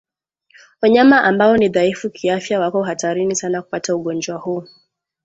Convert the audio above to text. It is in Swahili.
Wanyama ambao ni dhaifu kiafya wako hatarini sana kupata ugonjwa huu